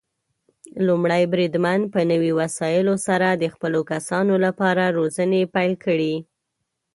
لومړی بریدمن په نوي وسايلو سره د خپلو کسانو لپاره روزنې پيل کړي.